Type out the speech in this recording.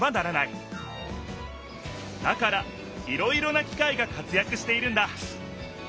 だからいろいろな機械が活やくしているんだ。